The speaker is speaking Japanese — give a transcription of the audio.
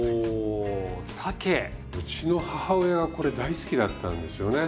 うちの母親がこれ大好きだったんですよね。